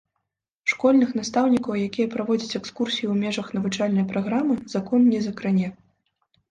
Школьных настаўнікаў, якія праводзяць экскурсіі ў межах навучальнай праграмы, закон не закране.